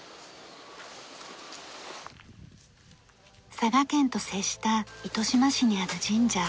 佐賀県と接した糸島市にある神社。